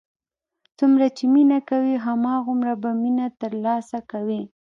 څومره چې مینه کوې، هماغومره به مینه تر لاسه کوې.